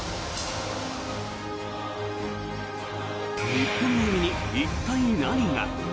日本の海に一体、何が？